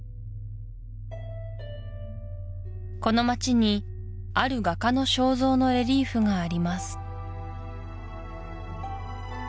この街にある画家の肖像のレリーフがあります